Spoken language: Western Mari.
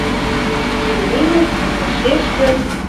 Тидӹ лимӹк, мӹньӹн шешкӹ